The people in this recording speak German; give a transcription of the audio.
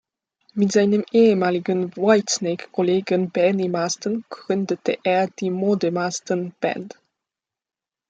Mit seinem ehemaligen Whitesnake-Kollegen Bernie Marsden gründete er die Moody Marsden Band.